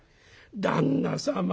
「旦那様」。